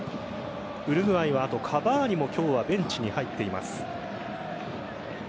ウルグアイは、あとカヴァーニもベンチに入っています。